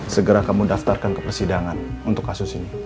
segera kamu daftarkan ke persidangan untuk kasus ini